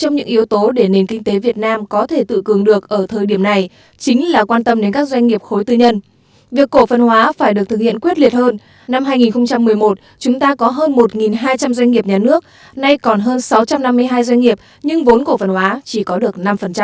năm hai nghìn một mươi một chúng ta có hơn một hai trăm linh doanh nghiệp nhà nước nay còn hơn sáu trăm năm mươi hai doanh nghiệp nhà nước nhưng vốn cổ phân hóa chỉ có được năm